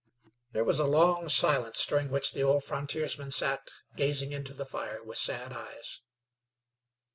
There was a long silence, during which the old frontiersman sat gazing into the fire with sad eyes.